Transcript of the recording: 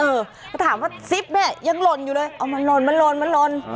มาถามว่าซิปเนี่ยยังหล่นอยู่เลยเอามันหล่นมันหล่นมันหล่น